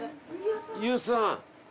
ＹＯＵさん。